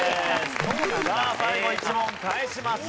さあ最後１問返しました。